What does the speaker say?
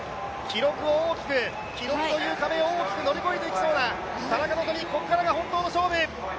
記録という壁を大きく乗り越えていきそうな田中希実、ここからが本当の勝負！